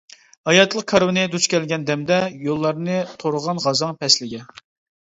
ھاياتلىق كارۋىنى دۇچ كەلگەن دەمدە، يوللارنى تورىغان غازاڭ پەسلىگە.